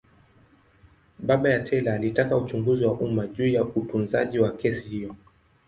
Baba ya Taylor alitaka uchunguzi wa umma juu ya utunzaji wa kesi hiyo.